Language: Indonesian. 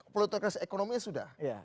plotokrasi ekonominya sudah